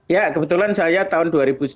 ya kebetulan saya tahun dua ribu sembilan